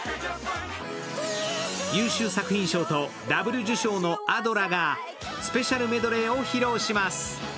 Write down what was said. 優秀作品賞とダブル受賞のＡｄｏらがスペシャルメドレーを披露します。